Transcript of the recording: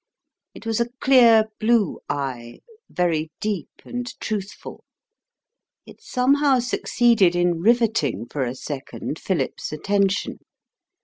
It was a clear blue eye, very deep and truthful. It somehow succeeded in riveting for a second Philip's attention.